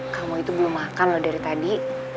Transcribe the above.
kamu itu belum makan loh dari tadi